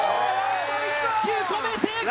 ９個目成功！